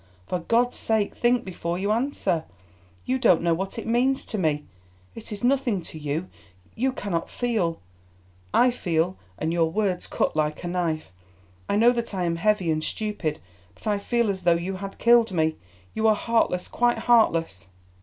"For God's sake think before you answer—you don't know what it means to me. It is nothing to you—you cannot feel. I feel, and your words cut like a knife. I know that I am heavy and stupid, but I feel as though you had killed me. You are heartless, quite heartless."